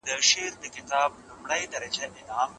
ارغنداب د تاریخ په اوږدو کې ارزښتمن پاته سوی.